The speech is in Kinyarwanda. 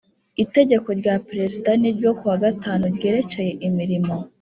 itegeko rya perezida niryo ku wa gatanu ryerekeye imirimo